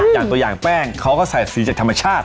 อย่างตัวอย่างแป้งเขาก็ใส่สีจากธรรมชาติ